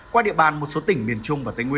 qua địa bàn một số tỉnh